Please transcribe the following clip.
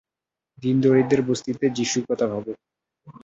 দীনদরিদ্রের বস্তিতে যীশুর কথা ভাবো।